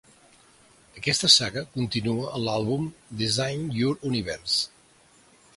Aquesta saga continua a l'àlbum "Design Your Universe".